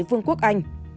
vương quốc anh